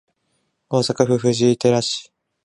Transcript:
大阪府藤井寺市